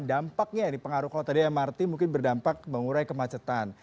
dampaknya ini pengaruh kalau tadi mrt mungkin berdampak mengurai kemacetan